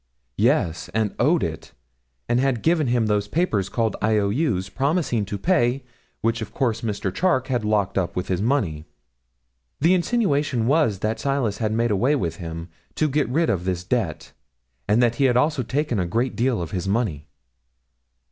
'Yes, and owed it; and had given him those papers called I.O.U.'s promising to pay, which, of course, Mr. Charke had locked up with his money; and the insinuation was that Silas had made away with him, to get rid of this debt, and that he had also taken a great deal of his money.